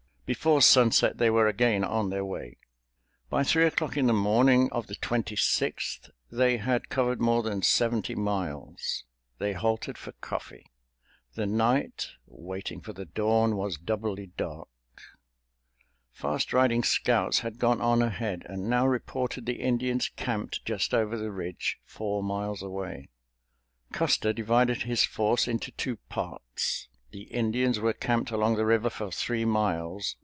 Before sunset they were again on their way. By three o'clock on the morning of the Twenty sixth, they had covered more than seventy miles. They halted for coffee. The night, waiting for the dawn, was doubly dark. Fast riding scouts had gone on ahead, and now reported the Indians camped just over the ridge, four miles away. Custer divided his force into two parts. The Indians were camped along the river for three miles.